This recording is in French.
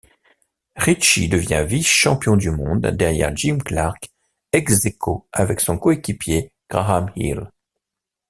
Richie devient vice-champion du monde, derrière Jim Clark, ex-aequo avec son coéquipier Graham Hill.